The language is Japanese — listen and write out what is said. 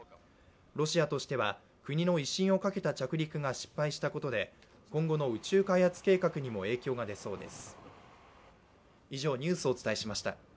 ロシアとしては国の威信をかけた着陸が失敗したことで今後の宇宙開発計画にも影響が出そうです。